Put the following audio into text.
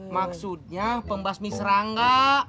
maksudnya pembasmi serangga